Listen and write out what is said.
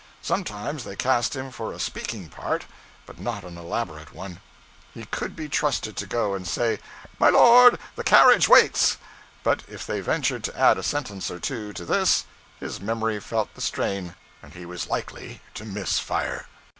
Sometimes they cast him for a 'speaking part,' but not an elaborate one. He could be trusted to go and say, 'My lord, the carriage waits,' but if they ventured to add a sentence or two to this, his memory felt the strain and he was likely to miss fire.